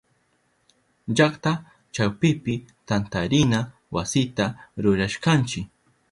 Llakta chawpipi tantarina wasita rurashkanchi.